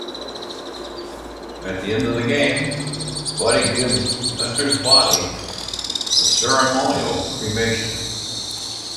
At the end of the game, Buddy gives Lester's body a ceremonial cremation.